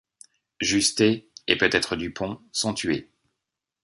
Justet, et peut-être Dupont, sont tués.